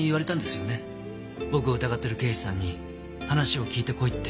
僕を疑ってる刑事さんに話を聞いてこいって。